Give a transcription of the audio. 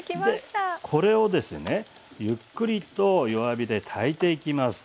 でこれをですねゆっくりと弱火で炊いていきます。